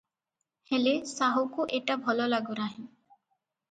ହେଲେ; ସାହୁକୁ ଏଟା ଭଲ ଲାଗୁନାହିଁ ।